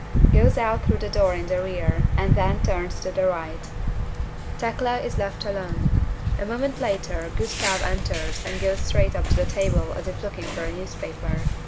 (Goes out through the door in the rear and then turns to the right.) (TEKLA is left alone. A moment later GUSTAV enters and goes straight up to the table as if looking for a newspaper.